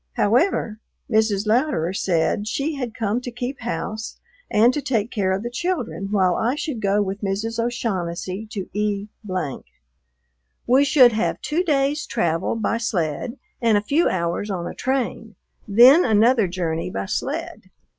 However, Mrs. Louderer said she had come to keep house and to take care of the children while I should go with Mrs. O'Shaughnessy to E . We should have two days' travel by sled and a few hours on a train, then another journey by sled.